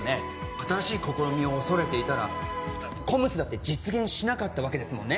新しい試みを恐れていたらＣＯＭＳだって実現しなかったわけですもんね